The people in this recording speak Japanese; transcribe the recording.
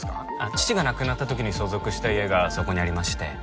父が亡くなった時に相続した家がそこにありまして。